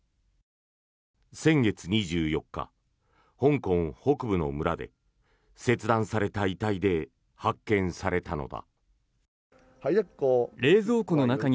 先月２４日、香港北部の村で切断された遺体で発見されたのだ。